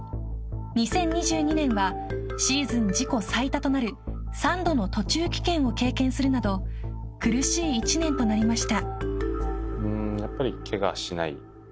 ２０２２年はシーズン自己最多となる３度の途中棄権を経験するなど苦しい１年となりました。